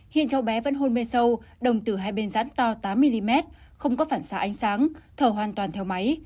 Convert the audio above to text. hiện cháu bé vẫn hôn mê sâu đồng từ hai bên rãn to tám mm không có phản xa ánh sáng thở hoàn toàn theo máy